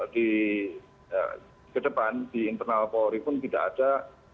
di kedepan di internal polri pun tidak ada